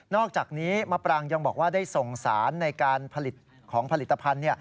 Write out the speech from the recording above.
อกจากนี้มะปรางยังบอกว่าได้ส่งสารในการผลิตของผลิตภัณฑ์